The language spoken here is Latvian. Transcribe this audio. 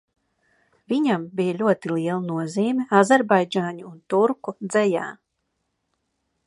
Viņam bija ļoti liela nozīme azerbaidžāņu un turku dzejā.